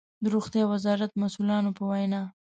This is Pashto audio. د روغتيا وزارت مسؤلانو په وينا